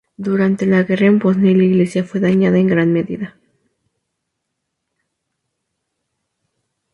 Durante la guerra en Bosnia y la iglesia fue dañada en gran medida.